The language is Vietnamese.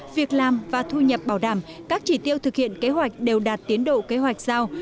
việc làm và thu nhập bảo đảm các chỉ tiêu thực hiện kế hoạch đều đạt tiến độ kế hoạch giao